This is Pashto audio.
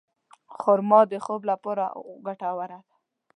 خرما د خوب لپاره ګټوره ده.